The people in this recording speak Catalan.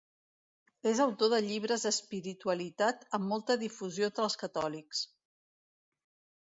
És autor de llibres d'espiritualitat amb molta difusió entre els catòlics.